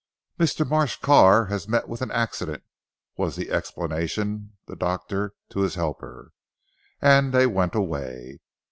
"Mr. Marsh Carr has met with an accident," was the explanation of the doctor to his helpers, and they went away.